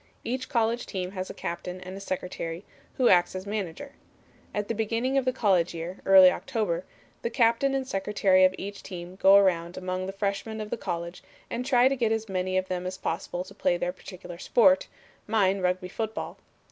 Each college team has a captain and a secretary, who acts as manager. At the beginning of the college year (early October) the captain and secretary of each team go around among the freshmen of the college and try to get as many of them as possible to play their particular sport; mine Rugby football.